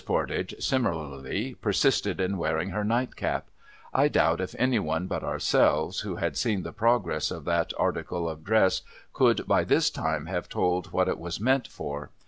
Pordage, similarly, persisted in wearing her nightcap. I doubt if any one but ourselves who had seen the progress of that article of dress, could by this time have told what it was meant for.